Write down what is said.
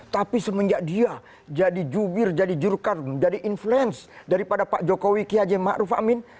tapi semenjak dia jadi jubir jadi jirukar jadi influence daripada pak jokowi kiajem ma'ruf amin